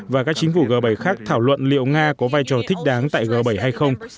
và các chính phủ g bảy khác thảo luận liệu nga có vai trò thích đáng tại g bảy hay không